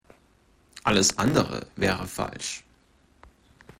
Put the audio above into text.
Alles andere wäre falsch.